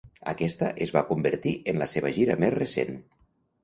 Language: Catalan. Aquesta es va convertir en la seva gira més recent.